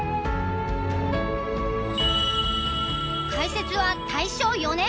開設は大正４年。